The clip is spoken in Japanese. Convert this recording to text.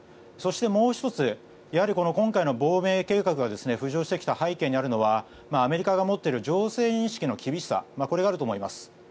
そして、もう１つやはり今回の亡命政府が浮上してきた背景にあるのはアメリカ側が持っている情勢認識の厳しさがあると思います。